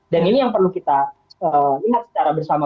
dan ini yang perlu kita lihat secara bersama